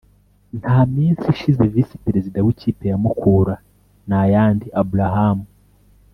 nta minsi ishize Visi Perezida w’ikipe ya Mukura Nayandi Abraham